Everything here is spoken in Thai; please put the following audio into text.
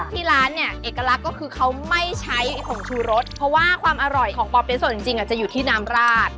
ที่ร้านเนี่ยเอกลักษณ์ก็คือเขาไม่ใช้ผงชูรสเพราะว่าความอร่อยของปอเปี๊ยส่วนจริงจะอยู่ที่น้ำราด